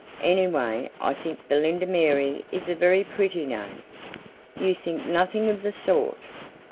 "Anyway, I think Belinda Mary is a very pretty name." "You think nothing of the sort."